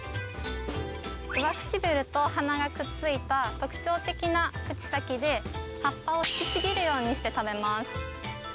上唇と鼻がくっついた特徴的な口先で葉っぱを引きちぎるようにして食べます